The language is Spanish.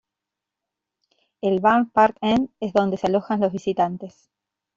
El Barn Park End es donde se alojan los visitantes.